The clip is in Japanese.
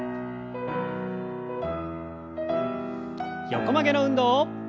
横曲げの運動。